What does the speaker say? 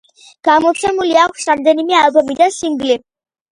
გამოცემული აქვს რამდენიმე ალბომი და სინგლი.